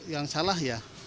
yang salah ya